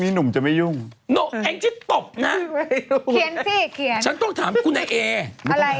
ไม่ต้องถามเดี๋ยวเปล่าผมจะบอกให้เลย